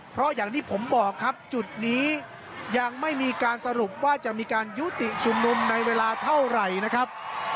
เพราะอย่างที่ผมบอกครับจุดนี้ยังไม่มีการสรุปว่าจะมีการยุติชุมนุมในเวลาเท่าไหร่นะครับ